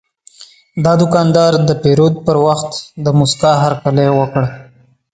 دا دوکاندار د پیرود پر وخت د موسکا هرکلی وکړ.